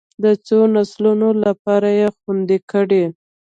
د څو نسلونو لپاره یې خوندي کړي.